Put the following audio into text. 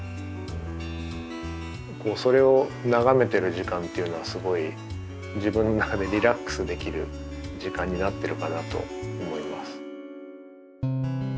それを眺めてる時間っていうのはすごい自分の中でリラックスできる時間になってるかなと思います。